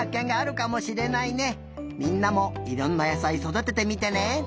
みんなもいろんな野さいそだててみてね！